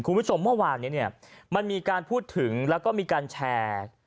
คุณผู้ชมเมื่อวานนี้เนี่ยมันมีการพูดถึงแล้วก็มีการแชร์